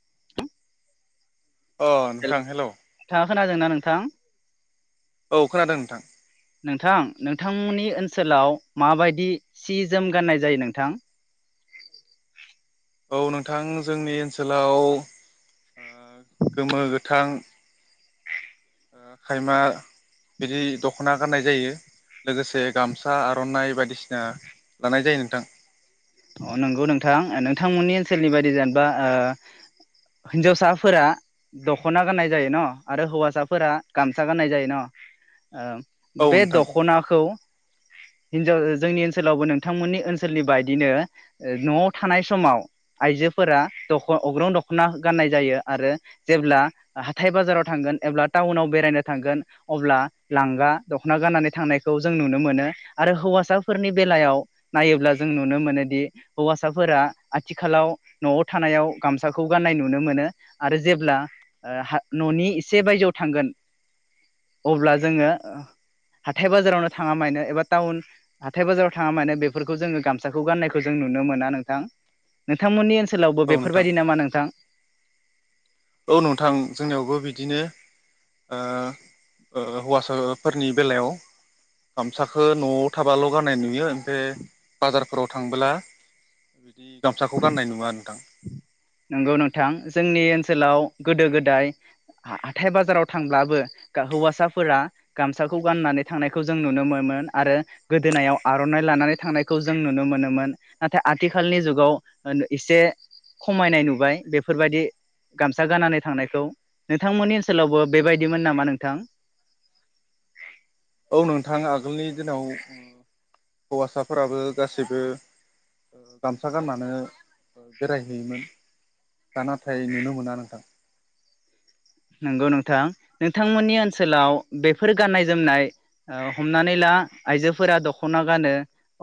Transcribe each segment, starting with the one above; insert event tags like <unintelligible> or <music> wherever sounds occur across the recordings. <inaudible> अ hello नोंथां hello, नोंथाङा खोनादोंना नोंथां? अ खोनादों नोंथां। नोंथां नोंथांमोननि ओनसोलाव माबायदि सि जोम गाननाय जायो नोंथां? औ नोंथां जोंनि ओनसोलाव आं गोमो, गोथां अ खायमा बिदि दख'ना गाननाय जायो लोगोसे गामसा आर'नाइ बायदि सिना गाननाय जायो नोंथां अ नंगौ नोंथां नोंथांमोननि ओनसोलनि बायदि जानबा ओ हिन्जावसाफोरा दख'ना गाननाय जायो न' आरो हौवासाफोरा गामसा गाननाय जायो न' आम औ बे नोंथां दख'नाखौ हिनजाव जोंनि ओनसोलावबो नोंथांमोननि ओनसोलनि बायदिनो न'आव थानाय समाव आइजोफोरा दख अग्रं दख'ना गाननाय जायो आरो जेब्ला हाथाय बाजाराव थांगोन एब्ला टाउनाव बेरायनो थांगोन अब्ला लांगा दख'ना गाननानै थांनायखौ जों नुनो मोनो आरो हौवासाफोरनि बेलायाव नायोब्ला जों नुनो मोनोदि। हौवासाफोरा आथिखालाव न'आव थानायाव गामसाखौ गाननाय नुनो मोनो आरो जेब्ला आ हा न'नि एसे बायजोआव थांगोन अब्ला जोङो हाथाय बाजारावनो थाङा मानो एबा टाउन हाथाय बाजाराव थाङा मानो बेफोरखौ जोङो गामसाखौ गाननाय खौजों नुनो मोना नोंथां नोंथांमोननि ओनसोलावबो औ नोंथां बेफोरबायदि नामा नोंथां? औ नोंथां जोंनियावबो बिदिनो आ ओ हौवासाफोरनि बेलायाव गामसाखौ न'आव थाबाल' गानाय नुयो। हे बाजार फोराव थांबोला दि गामसाखौ गान्नाय नुवा नोंथां। नंगौ नोंथां जोंनि ओनसोलाव गोदो गोदाय हाथाय बाजाराव थांब्लाबो हौवासाफोरा गामसाखौ गाननानै थांनायखौ जों नुनो मोनोमोन। आरो गोदोनायाव आर'नाइ लानानै थांनायखौ जों नुनो मोनोमोन। नाथाय आथिखालनि जुगाव एसे खमायनाय नुबाय बेफोरबायदि गामसा गानानै थांनायखौ। नोंथांमोननि ओनसोलावबो बेबायदिमोन नामा नोंथां? औ नोंथां आगोलनि दिनाव हौवासाफोराबो गासैबो गामसा गाननानै बेरायहैयोमोन दा नाथाय नुनो मोना नोंथां। नंगौ नोंथां नोंथांमोननि ओनसोलाव बेफोर गाननाय जोमनाय ओ हमनानै ला आइजोफोरा दख'ना गानो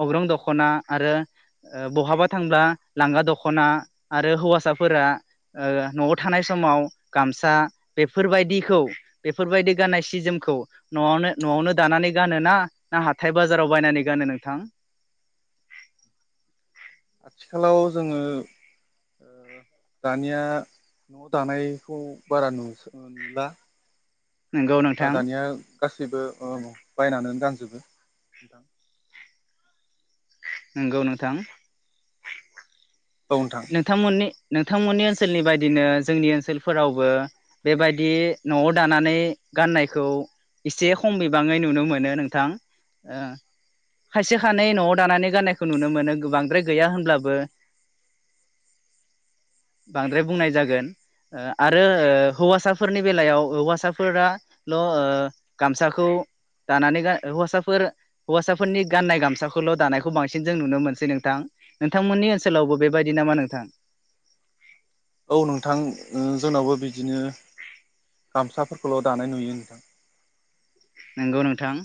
अग्रं दख'ना आरो ओ बहाबा थांब्ला लांगा दख'ना आरो हौवासाफोरा ओ न'आव थानाय समाव गामसा बेफोरबायदिखौ बेफोरबायदि गाननाय सिजोमखौ न'आवनो न'आवनो दानानै गानो ना ना हाथथाय बाजाराव बायनानै गानो नोंथां? आथिखालाव जोंङो ओ दानिया न' दानायखौ बारा नुस नुला नंगौ मानो होनबा नोंथां दानिया गासैबो अ बायनानै गानजोबो नंगौ नोंथां औ नोंथां नोंथांमोननि नोंथांमोननि ओनसोलनि बायदिनो जोंनि ओनसोलफोरावबो बेबायदि न'आव दानानै गाननायखौ एसे खम बिबाङै नुनो मोनो नोंथां ओ खायसे खानै न'आव दानानै गाननायखौ नुनो मोनो बांद्राय गैया होनब्लाबो बांद्राय बुंनाय जागोन। आरो अ हौवासाफोरनि बेलायाव हौवासाफोराल' अ गामसाखौ दानानै गा हौवासाफोर- हौवासाफोरनि गाननाय गामसाखौल' दानायखौ बांसिन जों नुनो मोनसै नोंथां। नोंथांमोननि ओनसोलावबो बेबायदि नामा नोंथां? औ नोंथां जोंनावबो बिदिनो गामसाफोरखौल' दानाय नुयो नोंथां। नंगौ नोंथां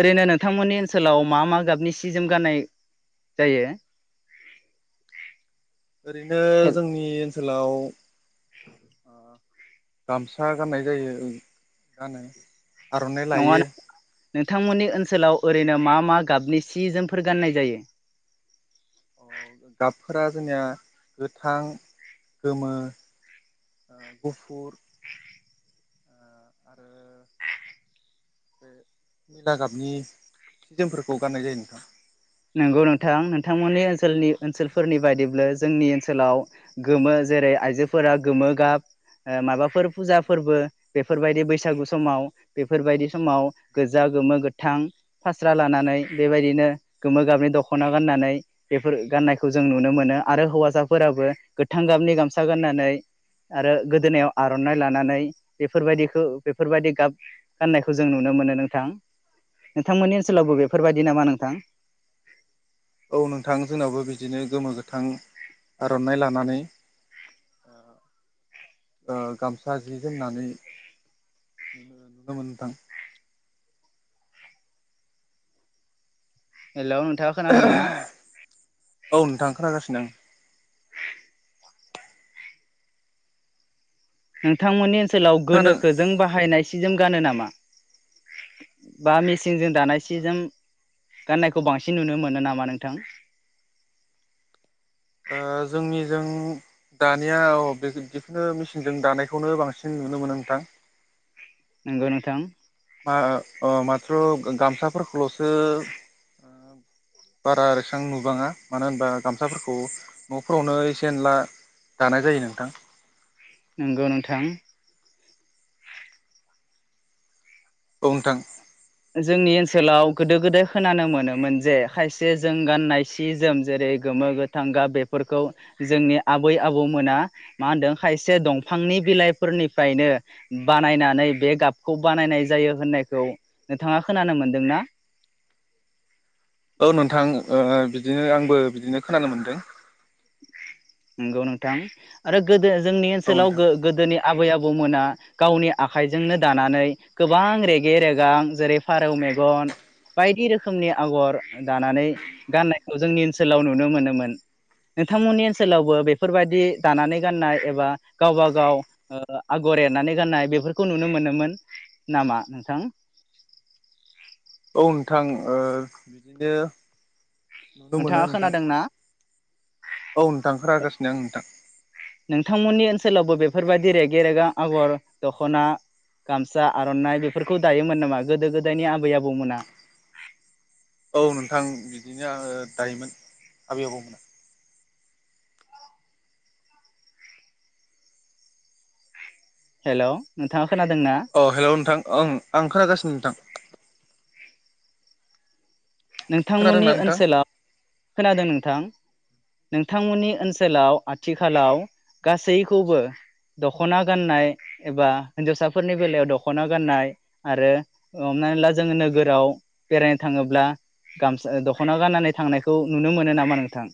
ओरैनो नोंथांमोननि ओनसोलाव मा मा गाबनि सि जोम गाननाय जायो? ओरैनो जोंनि ओनसोलाव <inaudible> अ <inaudible> गामसा गाननाय जायो उ गानो। आर'नाइ नङा लायो ना नोंथांमोननि ओनसोलाव ओरैनो मा मा गाबनि सि जोमफोर गाननाय जायो? गाबफोरा जोंनिया गोथां गोमो गुफुर ओ आरो बे निला गाबनि सिजोमफोरखौ गाननाय जायो नोंथां। नंगौ नोंथां नोंथांमोननि ओनसोलनि ओनसोलफोरनि बायदिब्ला जोंनि ओनसोलाव गोमो जेरै आइजोफोरा गोमो गाब माबाफोर फुजा फोरबो बेफोरबायदि बैसागु समाव बेफोरबायदि समाव गोजा गोमो गोथां फास्रा लानानै बेबायदिनो गोमो गाबनि दख'ना गाननानै बेफोर गाननायखौ जों नुनो मोनो आरो हौवासाफोराबो गोथां गाबनि गामसा गाननानै आरो गोदोनायाव आर'नाइ लानानै बेफोरबायदिखौ बेफोरबायदि गाब गाननायखौ जों नुनो मोनो नोंथां। नोंथांमोननि ओनसोलावबो बेफोरबायदि नामा नोंथां? औ नोंथां जोंनावबो बिदिनो गोमो गोथां आर'नाइ लानानै ओ गामसा जि जोमनानै नुनोमोन नोंथां। हेल' औ नोंथां खोगासिनो आं। नोंथांमोननि ओनसोलाव खोनादों गोनोखोजों बाहायनाय सि जों गानो नामा बा मेचनजों दानाय सिजों गाननायखौ बांसिन नुनो मोनो नामा नोंथां? ओ जोंनिजों दानाया औ जिखुनु मेचिनजों दानायखौनो बांसिन नुनो मोनो नोंथां। नंगौ नोथां। मा माथ्र' गामसाफोरखौल'सो बारा एसां नुबाङा मानो होनबा गामसाफोरखौ न'फोरावनो एसे एनला दानाय जायो नोंथां। नंगौ नोंथां औ नोंथां जोंनि ओनसोलाव गोदो गोदाय खोनानो मोनोमोन जे खायसे जों गाननाय सि जोम जेरै गोमो गोथां गाब बेफोरखौ जोंनि आबै आबौमोना मा होनदों खायसे दंफांनि बिलाइफोरनिफ्रायनो बानायनानै बे गाबखौ बानायनाय जायो होननायखौ नोंथाङा खोनानो मोनदों ना औ नोंथां ओ बिदिनो आंबो बिदिनो खोनानो मोनदों। नंगौ नोंथां आरो गो दो जोंनि औ ओनसोलाव नोंथां गो गोदोनि आबै आबौमोना गावनि आखाइजोंनो दानानै गोबां रेगे रेगां जेरै फारौ मेगन बायदि रोखोमनि आगर दानानै गाननायखौ जोंनि ओनसोलाव नुनो मोनोमोन। नोंथांमोननि ओनसोलावबो बेफोरबायदि दानानै गाननाय एबा गावबा गाव आगर एरनानै गाननाय बेफोरखौ नुनो मोनोमोन नामा नोंथां? औ नोंथां ओ बिदिनो नुनो मोनो नोंथाङा नोंथां खोनादों ना? औ नोंथां खोनागासिनो आं नोंथां नोंथांमोननि ओनसोलावबो बे बेफोरबायदि रेगे रेगां आगर दखना गामसा आर'नाइ बेफोरखौ दायोमोन नामा गोदो गोदायनि आबै आबौमोना? औ नोंथां बिदिनो आङो दायोमोन आबै आबौमोना। हेलौ नोंथां अ हेलौ नोंथां ओं आं खोनागासिनो नोंथां। नोंथांमोननि खोनादोंना नोंथां ओनसोलाव, खोनादों नोंथां? नोंथांमोननि ओनसोलाव आथिखालाव गासैखौबो दख'ना गाननाय एबा हिनजावसाफोरनि बेलायाव दख'ना गाननाय आरो हमनानै ला जोङो नोगोराव बेरायनो थाङोब्ला गामसा-दख'ना गाननानै थांनायखौ नुनो मोनो नामा नोंथां?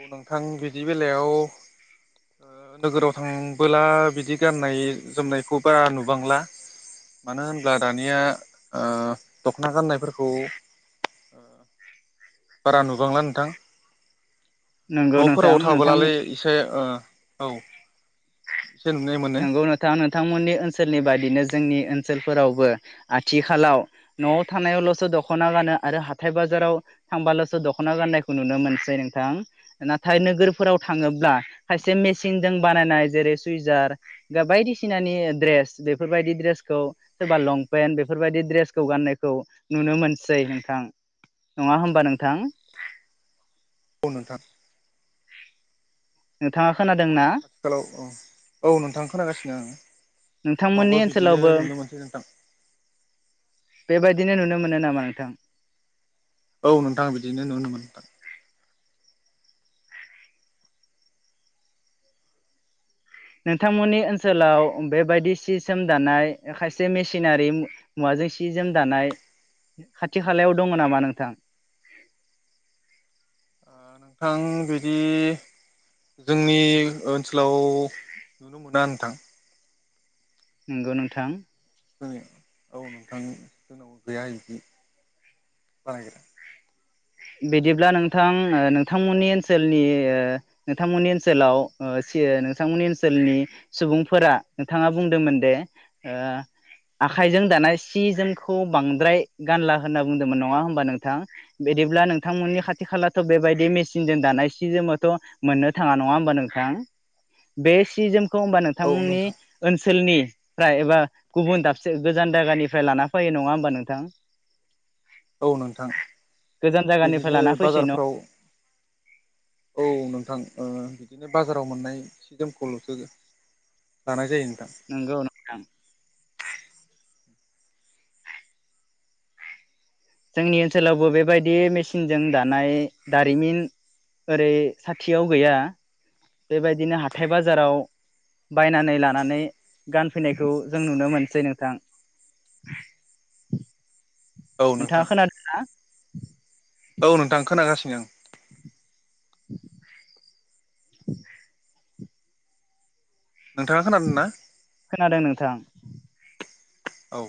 औ नोंथां बिदि बेलायाव नोगोराव थांबोला बिदि गाननाय जोमनायखौ बारा नुबांला मानो होनब्ला दानिया ओ दख'ना गाननायफोरखौ बारा नुबांला नोंथां। नंगौ न'फोराव नोंथां नोंथां थाबोलालाय एसे औ एसे नुनाय मोनो नंगौ नोथां, नोंथांमोननि ओनसोलनि बादिनो जोंनि ओन सोलफोरावबो आथिखालाव न'आव थानायांनायावल'सो दख'ना गानो आरो हाथाय बाजाराव थांबाल'सो दख'ना गाननायखौ नुनो मोनसै नोंथां नाथाय नोगोरफोराव थाङोब्ला खायसे मेचिनजों बानायनाय जेरै सुइजार दा बायदिसिनानि ड्रेस बेफोरबायदि ड्रेसखौ सोरबा लंपेन्ट बेफोरबायदि ड्रेसखौ गाननायखौ नुनो मोनसै नोंथां नङा। होमबा नोंथां? औ नोंथां। नोंथाङा खोनादोंना आथिखालाव औ औ नोंथां खोनागासिनो आङो नोंथांमोननि जोंनावबो बिदिनो ओनसोलावबो नुनो मोनसै नोंथां। नो नामा नोंथां? औ नोंथां बिदिनो नुनो मोन नोंथां। नोंथांमोननि ओनसोलाव बेबायदि सि सोम दानाय खायसे मेसिनारि मु मुवाजों सि जोम दानाय खाथि खालायाव दङ नामा नोंथां? ओ नोंथां बिदि जोंनि ओनसोलाव नुनो मोना नोंथां। नोंगौ नोंथां। जोंनियाव औ नोंथां जोंनाव गैया इदि बानायग्रा। बिदिब्ला नोंथां ओ नोंथांमोननि ओनसोलनि ओ नोंथांमोननि ओनसोलाव ओ सि नोंथांमोननि ओनसोलनि सुबुंफोरा नोंथाङा बुंदोंमोन दे ओ आखाइजों दानाय सि जोमखौ बांद्राय गानला होनना बुंदोंमोन नङा होमबा नोंथां? बिदिब्ला नोंथांमोननि खाथि खालाथ' बेबायदि मेसिनजों दानाय सि जोमोथ' मोननो थाङा नङा होमबा नोंथां? बे सि जोम खौ होनबा औ नोंथांमोननि नोंथां ओनस सोलनिफ्राय एबा गुबुन दाबसे गोजान दागानिफ्राय लाना फैयो नङा होमबा नोंथां? औ नोंथां। गोजान जायगानिफ्राय बिदिनो लाना फैसै न बाजारफ्राव औ नोंथां। ओ बिदिनो बाजाराव मोननाय सि जोमखौल'सो लानाय जायो। नोंथां नोंगौ नोंथां। जोंनि ओनसोलावबो बेबायदि मेसिनजों दानाय दारिमिन ओरै खाथियाव गैया बेबायदिनो हाथाय बाजाराव बायनानै लानानै गानफैनायखौ जों नुनो मोनसै नोंथां। औ नोंथां नोंथाङा खोनादों ना? औ नोंथां <unintelligible> नोंथाङा खोनादों ना? खोनादों नोंथां औ।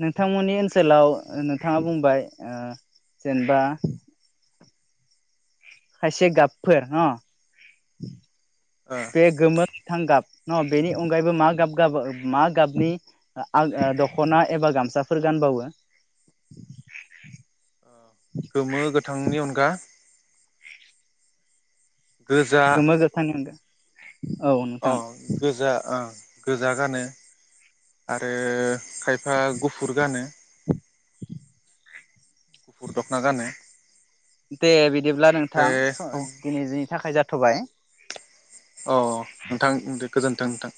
नोंथांमोननि ओनसोलाव नोंथाङा बुंबाय ओ जेनबा खायसे गाबफोर ह ओ बे गोमो थां गाब न बेनि अनगायैबो मा गाब गाब मा गाबनि आग दख'ना एबा गामसाफोर गानबावो? गोमो गोथांनि अन गा गोजा गोमो गोथांनि अनगा औ अ नोंथां गोजा ओ गोजा गानो आरो खायफा गुफुर गानो। गुफुर दख'ना गानो। दे बिदिब्ला नोंथां ओमफ्राय स औ दिनैजि थाखाय जाथ' थबाय। अ नोंथां दो गोजोन्थों नोंथां।